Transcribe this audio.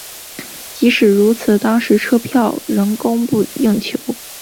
即使如此当时车票仍供不应求。